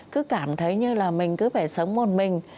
cứ cảm thấy như là mình cứ phải sống một mình